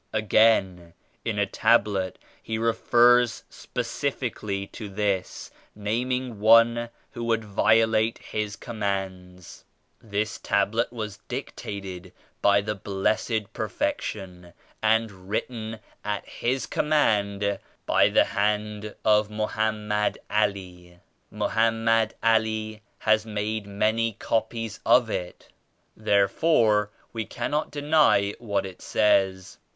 Again in a Tablet He refers specifically to this, naming one who would violate His Commands. This Tablet was dictated by the Blessed Perfection and written at His Command by the hand of Mohammed Ali. Mohammed Ali has made many copies of it. Therefore we cannot deny what it says.